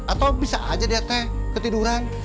atau bisa aja dia teh ketiduran